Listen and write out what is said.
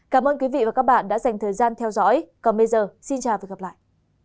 cảm ơn quý vị và các bạn đã dành thời gian theo dõi còn bây giờ xin chào và hẹn gặp lại